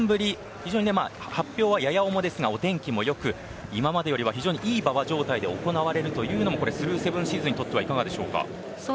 非常に発表は稍重ですがお天気もよく今までよりは非常にいい馬場状態で行われるというのもスルーセブンシーズにとってはいかがでしょうか？